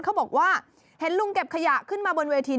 เขาบอกว่าเห็นลุงเก็บขยะขึ้นมาบนเวที